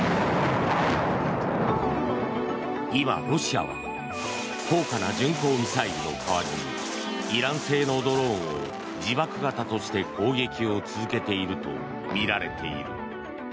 今、ロシアは高価な巡航ミサイルの代わりにイラン製のドローンを自爆型として攻撃を続けているとみられている。